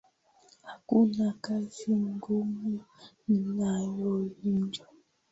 Hakuna kazi ngumu ninayoijua